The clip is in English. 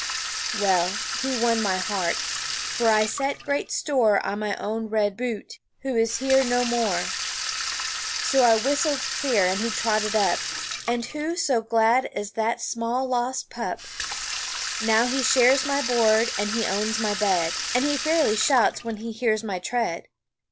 Well, he won my heart (for I set great store On my own red Bute, who is here no more) So I whistled clear, and he trotted up, And who so glad as that small lost pup? Now he shares my board, and he owns my bed, And he fairly shouts when he hears my tread.